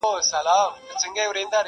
o بُت خانه به مي د زړه لکه حرم کا,